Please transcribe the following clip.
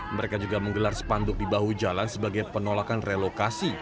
mereka juga menggelar sepanduk di bahu jalan sebagai penolakan relokasi